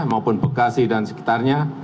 maupun bekasi dan sekitarnya